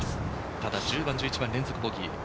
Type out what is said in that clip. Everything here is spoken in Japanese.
ただ１０番・１１番、連続ボギー。